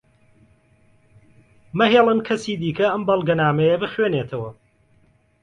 مەهێڵن کەسی دیکە ئەم بەڵگەنامەیە بخوێنێتەوە.